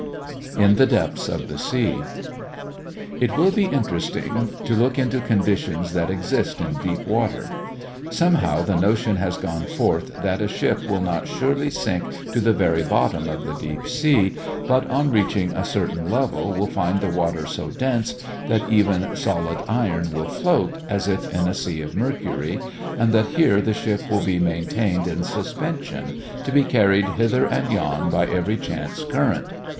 IN THE DEPTHS OF THE SEA It will be interesting to look into conditions that exist in deep water. Somehow the notion has gone forth that a ship will not surely sink to the very bottom of the deep sea, but on reaching a certain level will find the water so dense that even solid iron will float, as if in a sea of mercury, and that here the ship will be maintained in suspension, to be carried hither and yon by every chance current.